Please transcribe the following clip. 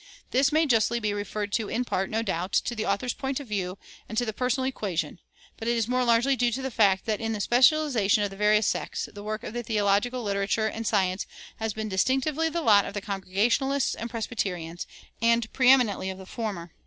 This may justly be referred in part, no doubt, to the author's point of view and to the "personal equation"; but it is more largely due to the fact that in the specialization of the various sects the work of theological literature and science has been distinctively the lot of the Congregationalists and the Presbyterians, and preëminently of the former.